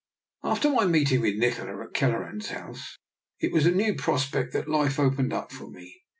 After my meeting with Nikola at Kel leran's house, it was a new prospect that life opened up for me.